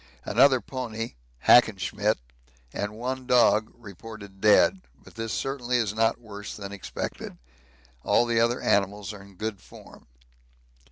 Another pony, Hackenschmidt, and one dog reported dead, but this certainly is not worse than expected. All the other animals are in good form.